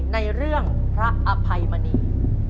ในเรื่องพระอภัยมณี